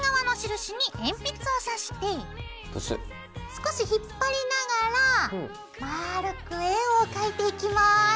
少し引っ張りながら丸く円を描いていきます。